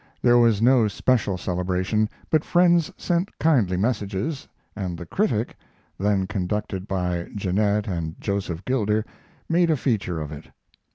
There was no special celebration, but friends sent kindly messages, and The Critic, then conducted by Jeannette and Joseph Gilder, made a feature of it.